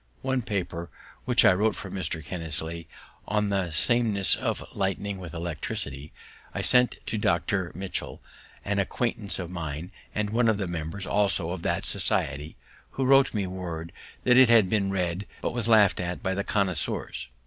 One paper, which I wrote for Mr. Kinnersley, on the sameness of lightning with electricity, I sent to Dr. Mitchel, an acquaintance of mine, and one of the members also of that society, who wrote me word that it had been read, but was laughed at by the connoisseurs.